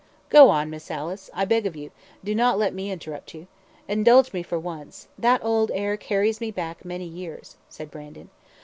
"Go on, Miss Alice, I beg of you; do not let me interrupt you. Indulge me for once that old air carries me back many years," said Brandon.